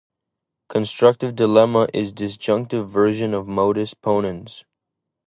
Constructive dilemma is the disjunctive version of modus ponens.